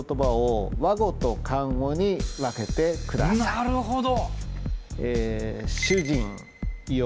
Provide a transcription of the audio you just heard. なるほど。